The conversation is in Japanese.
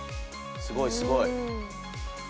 すごいすごい。